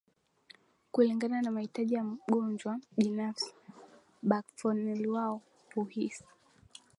kulingana na mahitaji ya mgonjwa binafsi Baklofeniwao huhisi